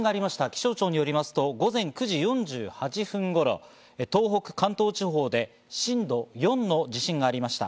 気象庁によりますと午前９時４８分頃、東北、関東地方で震度４の地震がありました。